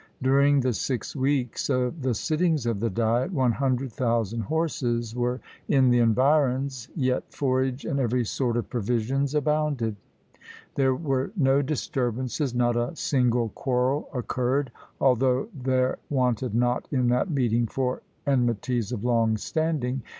During the six weeks of the sittings of the diet, 100,000 horses were in the environs, yet forage and every sort of provisions abounded. There were no disturbances, not a single quarrel occurred, although there wanted not in that meeting for enmities of long standing.